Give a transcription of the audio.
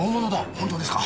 本当ですか？